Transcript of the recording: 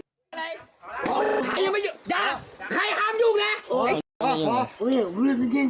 ทำลายร่างกายรวมหลักนะคะ